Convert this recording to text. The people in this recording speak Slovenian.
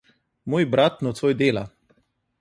Moj brat nocoj dela.